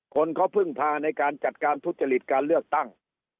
คนเขาพึ่งพาในการจัดการทุจริตการเลือกตั้ง